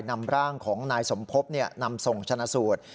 นำร่างของนายสมพบนำส่งชนะสูตร